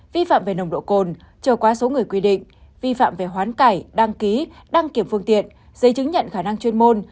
vi phạm về nồng độ cồn trở quá số người quy định vi phạm về hoán cải đăng ký đăng kiểm phương tiện giấy chứng nhận khả năng chuyên môn